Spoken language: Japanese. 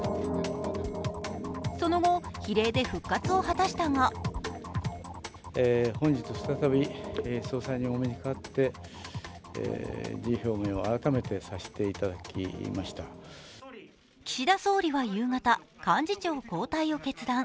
その後、比例で復活を果たしたが岸田総理は夕方幹事長交代を決断。